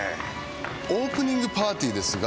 オープニングパーティーですが。